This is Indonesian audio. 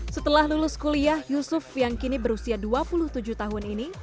setelah lulus kuliah yusuf yang kini berusia dua puluh tujuh tahun ini